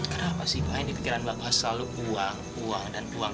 kenapa sih pak ini pikiran bapak selalu uang uang dan uang